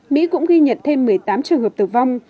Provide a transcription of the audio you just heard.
mỹ cũng ghi nhận thêm một mươi tám trường hợp tử vong